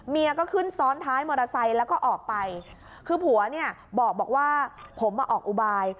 ก็ขึ้นซ้อนท้ายมอเตอร์ไซค์แล้วก็ออกไปคือผัวเนี่ยบอกว่าผมมาออกอุบาย